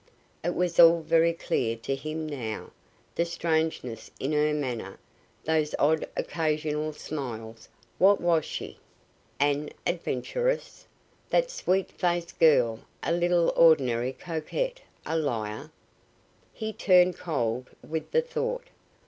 It was all very clear to him now, that strangeness in her manner, those odd occasional smiles What was she? An adventuress! That sweet faced girl a little ordinary coquette, a liar? He turned cold with the thought.